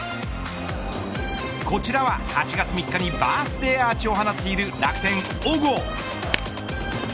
こちらは８月３日にバースデーアーチを放っている楽天の小郷。